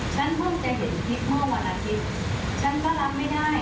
ฉันเพิ่งจะเห็นคลิปเมื่อวันอาทิตย์ฉันก็รับไม่ได้